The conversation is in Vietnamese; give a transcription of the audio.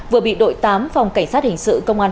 vừa bị đội tám phòng cảnh sát hình sự công an